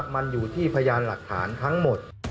มันอยู่ที่พยานหลักฐานทั้งหมด